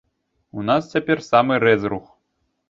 У нас цяпер самы рэзрух.